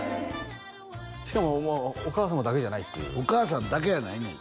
しかももうお母様だけじゃないっていうお母さんだけやないねん